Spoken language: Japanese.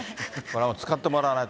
使ってもらわないと。